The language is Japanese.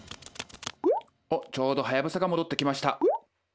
「おっちょうどハヤブサが戻ってきました。